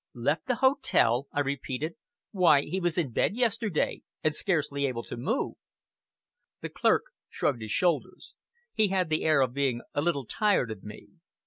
"Left the hotel!" I repeated. "Why! He was in bed yesterday, and scarcely able to move." The clerk shrugged his shoulders. He had the air of being a little tired of me.